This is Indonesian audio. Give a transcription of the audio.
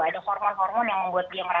ada hormon hormon yang membuat dia merasa